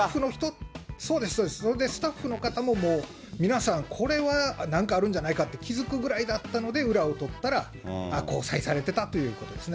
それでスタッフの方も、皆さん、これはなんかあるんじゃないかって気付くぐらいだったので、裏を取ったら、交際されてたということですね。